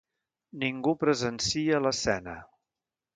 Ningú presencia l'escena.